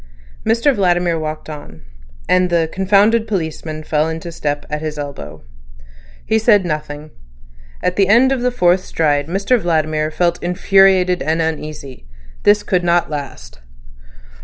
Mr Vladimir walked on, and the "confounded policeman" fell into step at his elbow. He said nothing. At the end of the fourth stride Mr Vladimir felt infuriated and uneasy. This could not last.